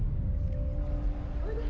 おいで！